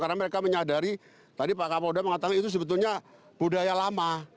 karena mereka menyadari tadi pak kapolda mengatakan itu sebetulnya budaya lama